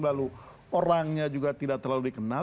lalu orangnya juga tidak terlalu dikenal